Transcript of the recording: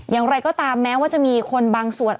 อย่างไรก็ตามแม้ว่าจะมีคนบางส่วน